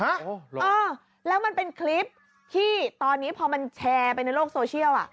อ๋อเหรอเออแล้วมันเป็นคลิปที่ตอนนี้พอมันแชร์ไปในโลกโซเชียลอ่ะ